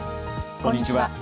こんにちは。